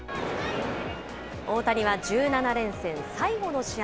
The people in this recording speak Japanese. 大谷は１７連戦、最後の試合。